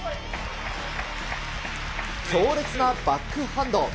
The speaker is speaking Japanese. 強烈なバックハンド。